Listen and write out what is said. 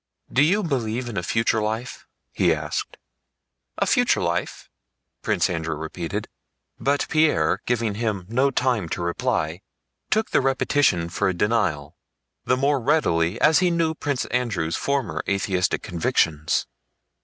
"Do you believe in a future life?" he asked. "A future life?" Prince Andrew repeated, but Pierre, giving him no time to reply, took the repetition for a denial, the more readily as he knew Prince Andrew's former atheistic convictions.